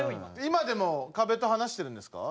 今でもかべと話してるんですか？